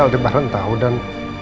aldebaran tau dan